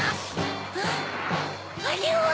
あっあれは！